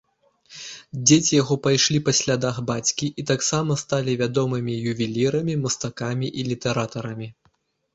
Дзеці яго пайшлі па слядах бацькі і таксама сталі вядомымі ювелірамі, мастакамі і літаратарамі.